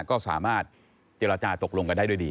ก็สามารถเจรจาตกลงกันได้ด้วยดี